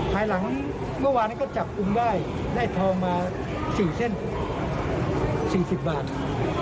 ปลายหลังเมื่อวานเนี้ยก็จับกุมบ้ายได้ทอมา๔เส้นสี่สิบบาท